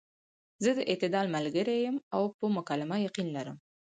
زۀ د اعتدال ملګرے يم او پۀ مکالمه يقين لرم -